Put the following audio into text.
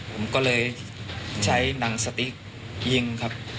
ผมก็เลยใช้หนังสติ๊กยิงครับ